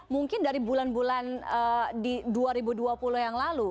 mungkin dari bulan bulan di dua ribu dua puluh yang lalu